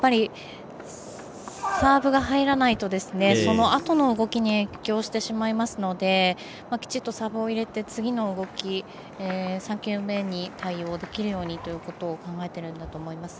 サーブが入らないとそのあとの動きに影響してしまいますのできちっと、サーブを入れて次の動き、３球目に対応できるようにということを考えているんだと思います。